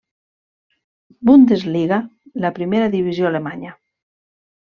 Bundesliga, la primera divisió alemanya.